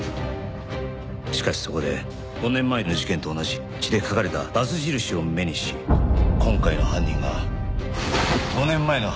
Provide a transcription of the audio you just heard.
しかしそこで５年前の事件と同じ血で書かれたバツ印を目にし今回の犯人が５年前の犯人であると確信した。